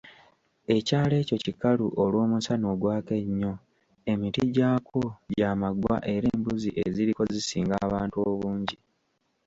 Ekyalo ekyo kikalu olw'omusana ogwaka ennyo, emiti gy'akwo gya maggwa era embuzi eziriko zisinga abantu obungi.